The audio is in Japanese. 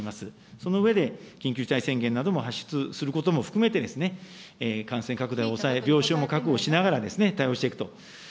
その上で、緊急事態宣言なども発出することも含めてですね、感染拡大を抑え、病床も確保しながら対応していくと。